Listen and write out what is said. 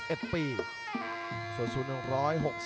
ก็รัฐสุพธิประเภนสุสุฬินโปรบินซ์